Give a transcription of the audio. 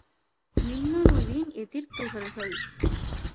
மின்னணுவின் எதிர்த் துகள்.